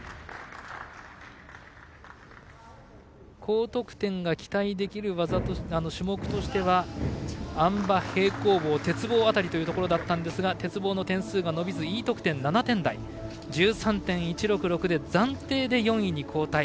高得点が期待できる種目としてはあん馬、平行棒鉄棒というところでしたが鉄棒の点数が伸びずＥ得点７点台。１３．１６６で暫定で４位に後退。